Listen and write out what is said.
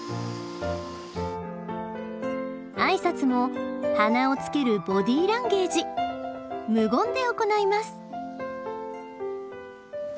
挨拶も鼻をつけるボディーランゲージ無言で行います。